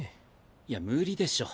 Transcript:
いや無理でしょ。